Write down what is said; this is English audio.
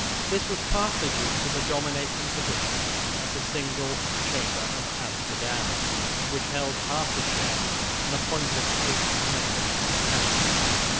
This was partly due to the dominating position of the single Chamber of Amsterdam, which held half the shares and appointed eight members of the council.